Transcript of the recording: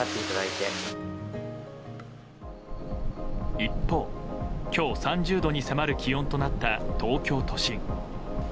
一方、今日、３０度に迫る気温となった東京都心。